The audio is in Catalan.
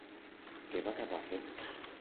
Què va acabar fent?